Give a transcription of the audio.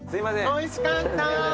おいしかった。